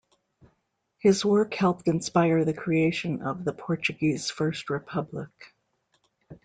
His work helped inspire the creation of the Portuguese First Republic.